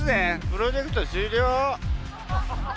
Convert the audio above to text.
プロジェクト終了！